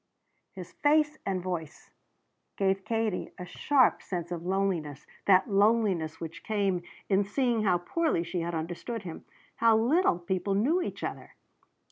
His face and voice gave Katie a sharp sense of loneliness, that loneliness which came in seeing how poorly she had understood him, how little people knew each other.